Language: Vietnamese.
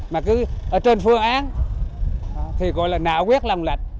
mà cứ ở trên phương án thì gọi là nạo vét lòng lạch